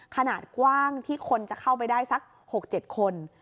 ขนาดกว้างที่คนจะเข้าไปได้สัก๖๗คน